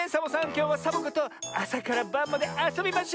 きょうはサボ子とあさからばんまであそびましょ。